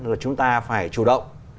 là chúng ta phải chủ động